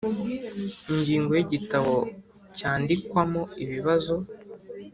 Ingingo ya Igitabo cyandikwamo ibibazo